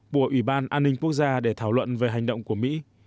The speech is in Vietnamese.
của ủy ban an ninh quốc gia để thảo luận về hành động của mỹ